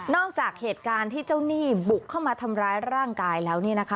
จากเหตุการณ์ที่เจ้าหนี้บุกเข้ามาทำร้ายร่างกายแล้ว